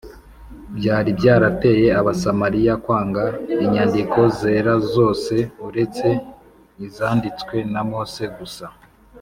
byari byarateye Abasamariya kwanga inyandiko zera zose uretse izanditswe na Mose gusa